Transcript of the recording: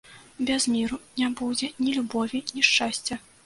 Без міру не будзе ні любові, ні шчасця.